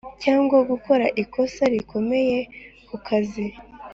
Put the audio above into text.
cyangwa gukora ikosa rikomeye ku kazi